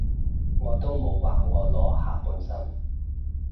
我都冇話我裸下半身